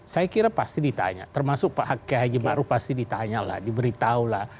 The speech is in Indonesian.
saya kira pasti ditanya termasuk pak k haji maruf pasti ditanyalah diberitahulah